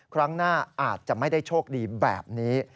ครั้งหน้าอาจจะไม่ได้โชคดีแบบนี้